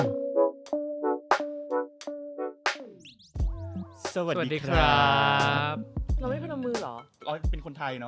สวัสดีครับสวัสดีครับเราไม่คุณมือเหรออ๋อเป็นคนไทยเนอะ